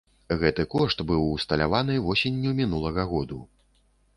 Гэты кошт быў усталяваны восенню мінулага году.